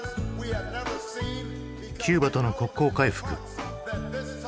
キューバとの国交回復。